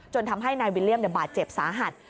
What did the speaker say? ทำให้นายวิลเลี่ยมบาดเจ็บสาหัส